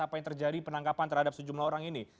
apa yang terjadi penangkapan terhadap sejumlah orang ini